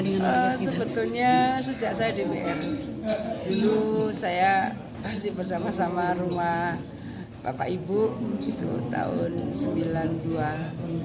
tahunnya sejak saya di wn dulu saya masih bersama sama rumah bapak ibu itu tahun sembilan puluh dua sembilan puluh dua sudah